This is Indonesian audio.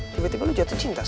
tiba tiba lo jatuh ke depan